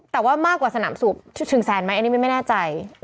แต่ว่ามากกว่าสนามสูบเชิงแซนไหมอันนี้ไม่แน่ใจ